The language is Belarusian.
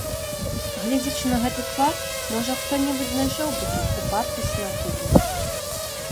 Гледзячы на гэты твар, можа хто-небудзь знайшоў бы тут упартасць натуры.